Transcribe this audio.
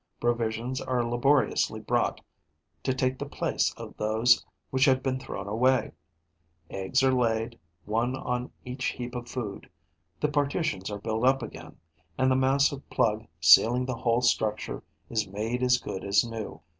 Provisions are laboriously brought to take the place of those which have been thrown away; eggs are laid, one on each heap of food; the partitions are built up again; and the massive plug sealing the whole structure is made as good as new.